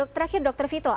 terakhir dokter vito